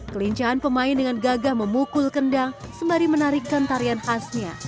kelincahan pemain dengan gagah memukul kendang sembari menarikkan tarian khasnya